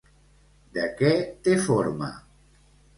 De què té forma?